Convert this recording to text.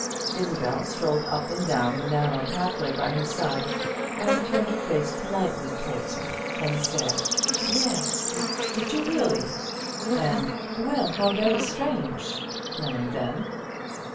Isabel strolled up and down the narrow pathway by his side, and turned her face politely towards him, and said, "Yes," and "Did you really!" and "Well, how very strange!" now and then.